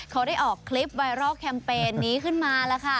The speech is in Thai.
เขาได้ออกคลิปไวรัลแคมเปญนี้ขึ้นมาแล้วค่ะ